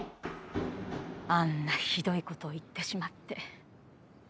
あんなひどい事を言ってしまって。